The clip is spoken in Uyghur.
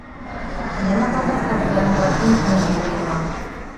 يەنە قانداق خام خىيالىڭ باركىن، مەن بىلمەيدىغان.